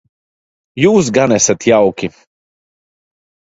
Jūs gan esat jauki.